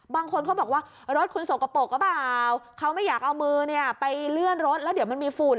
บางคนเขาบอกว่ารถคุณสกปรกหรือเปล่าเขาไม่อยากเอามือเนี่ยไปเลื่อนรถแล้วเดี๋ยวมันมีฝุ่น